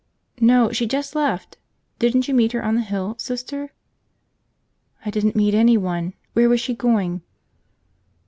"No, she just left. Didn't you meet her on the hill, Sister?" "I didn't meet anyone. Where was she going?"